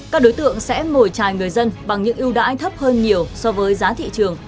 các đối tượng sẽ mồi trài người dân bằng những ưu đãi thấp hơn nhiều so với giá thị trường